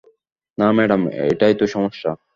না, ম্যাডাম, এটাই তো সমস্যা।